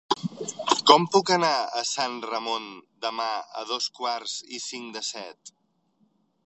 Com puc anar a Sant Ramon demà a dos quarts i cinc de set?